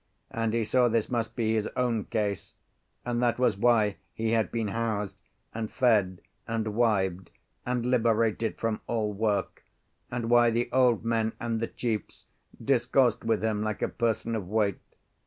And he saw this must be his own case; and that was why he had been housed, and fed, and wived, and liberated from all work; and why the old men and the chiefs discoursed with him like a person of weight.